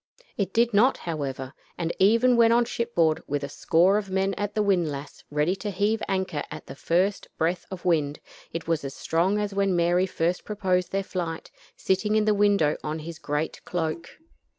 It did not, however, and even when on shipboard, with a score of men at the windlass ready to heave anchor at the first breath of wind, it was as strong as when Mary first proposed their flight, sitting in the window on his great cloak.